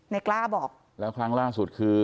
กล้าบอกแล้วครั้งล่าสุดคือ